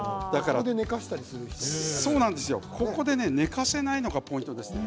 ここで寝かせたりしないのがポイントです。